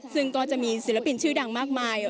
ซึ่งก็จะมีศิลปินชื่อดังมากมาย